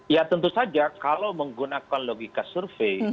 ya tentu saja kalau menggunakan logika survei